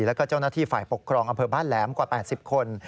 แล้วก็เจ้าหน้าที่ฝ่ายปกครองอำเภอบ้านแหลมกว่า๘๐คน